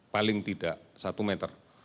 paling tidak satu meter